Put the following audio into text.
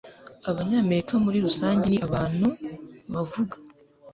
Abanyamerika muri rusange ni abantu bavuga.